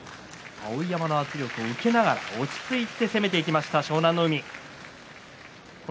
碧山の圧力を受けながら落ち着いて攻めていった湘南乃海。